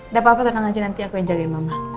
gak apa apa tenang aja nanti aku yang jagain mama